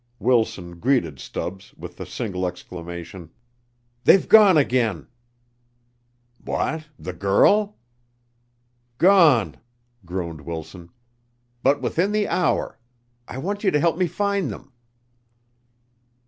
Wilson greeted Stubbs with the single exclamation: "They've gone again." "What the girl?" "Gone," groaned Wilson. "But within the hour. I want you to help me find them."